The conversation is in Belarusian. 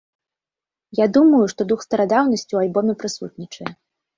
Я думаю, што дух старадаўнасці ў альбоме прысутнічае.